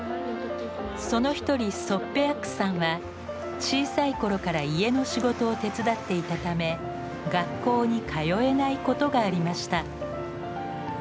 その一人ソッペアックさんは小さい頃から家の仕事を手伝っていたため学校に通えないことがありました。